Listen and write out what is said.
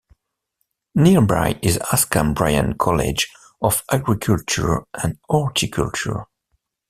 Nearby is Askham Bryan College of Agriculture and Horticulture.